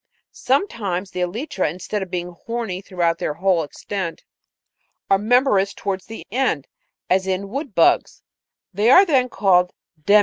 Sometimes the elytra, instead of being horny throughout their whole extent, are membranous towards the end, as in wood bugs: they are then called demi elytra.